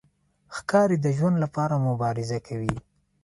ښکاري د ژوند لپاره مبارزه کوي.